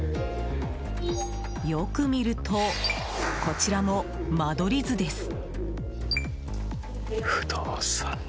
よく見るとこちらも間取り図です。